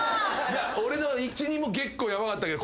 俺の１・２も結構ヤバかったけど。